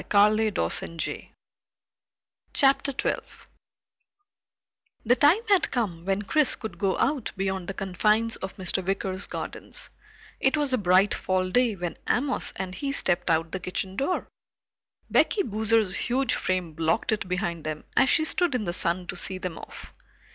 CHAPTER 12 The time had come when Chris could go out beyond the confines of Mr. Wicker's gardens. It was a bright fall day when Amos and he stepped out the kitchen door. Becky Boozer's huge frame blocked it behind them as she stood in the sun to see them off.